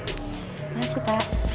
terima kasih pak